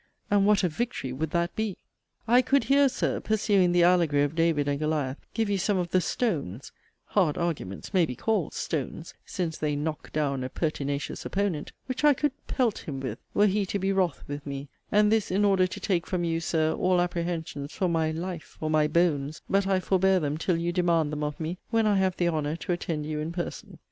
And what a victory would that be! I could here, Sir, pursuing the allegory of David and Goliath, give you some of the 'stones' ('hard arguments' may be called 'stones,' since they 'knock down a pertinacious opponent') which I could 'pelt him with,' were he to be wroth with me; and this in order to take from you, Sir, all apprehensions for my 'life,' or my 'bones'; but I forbear them till you demand them of me, when I have the honour to attend you in person.